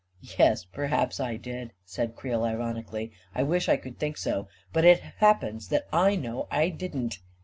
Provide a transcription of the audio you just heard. " Yes, perhaps I did," said Creel ironically. " I wish I could think so; but it happens that I know I didn't.